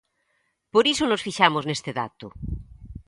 Por iso nos fixamos neste dato.